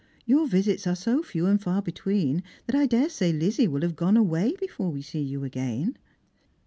" Your visits are so few and far between that I daresay Lizzie will have gone away before we eee you again."